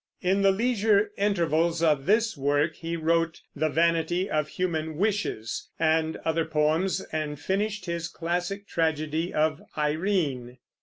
In the leisure intervals of this work he wrote "The Vanity of Human Wishes" and other poems, and finished his classic tragedy of Irene.